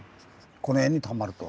この辺にたまると。